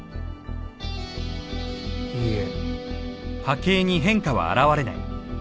いいえ。